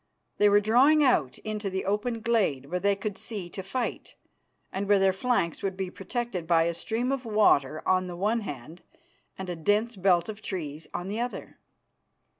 They were drawing out into the open glade, where they could see to fight, and where their flanks would be protected by a stream of water on the one hand and a dense belt of trees on the other.